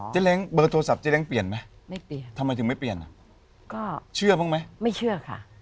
เล้งเบอร์โทรศัพท์เจ๊เล้งเปลี่ยนไหมไม่เปลี่ยนทำไมถึงไม่เปลี่ยนอ่ะก็เชื่อบ้างไหมไม่เชื่อค่ะ